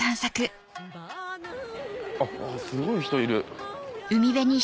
あっすごい人いる。